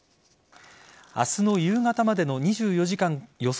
明日の夕方までの２４時間予想